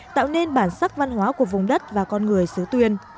tạo nên bản sắc văn hóa của vùng đất và con người xứ tuyên